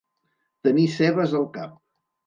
Tenir cebes al cap.